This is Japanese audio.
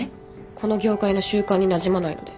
この業界の習慣になじまないので。